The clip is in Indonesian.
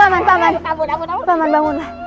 paman paman paman bangunlah